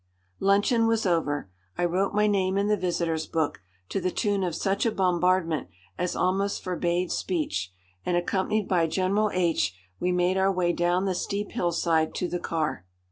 Luncheon was over. I wrote my name in the visitors' book, to the tune of such a bombardment as almost forbade speech, and accompanied by General H we made our way down the steep hillside to the car.